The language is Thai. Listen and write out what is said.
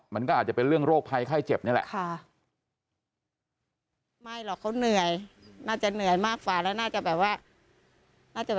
มันก็อาจจะเป็นเรื่องโรคภัยไข้เจ็บนี่แหละ